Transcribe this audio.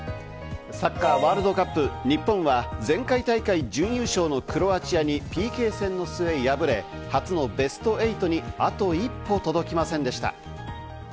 サッカーワールドカップ、日本は前回大会準優勝のクロアチアにＰＫ戦の末敗れ、初のベスト８にあと一歩届きませんでした。